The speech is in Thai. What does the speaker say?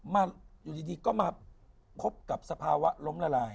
มาอยู่ดีก็มาคบกับสภาวะล้มละลาย